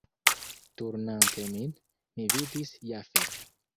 Turnante min, mi vidis Jafet.